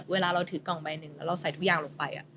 เวลาเราถือกล่องใบหนึ่งแล้วเราใส่ทุกอย่างลงไป